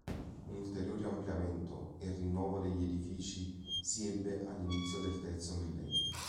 Un ulteriore ampliamento e rinnovo degli edifici si ebbe all'inizio del terzo millennio.